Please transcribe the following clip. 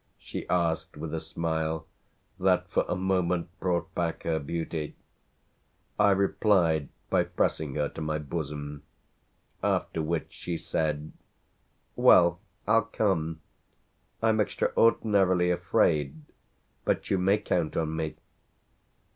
she asked with a smile that for a moment brought back her beauty. I replied by pressing her to my bosom; after which she said: "Well, I'll come. I'm extraordinarily afraid, but you may count on me."